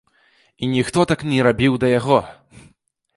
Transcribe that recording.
І ніхто так не рабіў да яго.